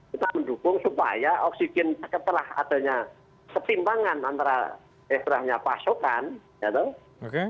kita mendukung supaya oksigen setelah adanya ketimbangan antara pasokan ya tau